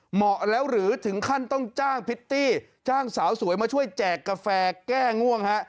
เหมาะแล้วหรือถึงขั้นต้องจ้างพิตตี้จ้างสาวสวยมาช่วยแจกกาแฟแก้ง่วงฮะ